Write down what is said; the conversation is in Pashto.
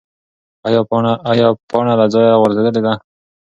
ایا پاڼه له ځایه غورځېدلې ده؟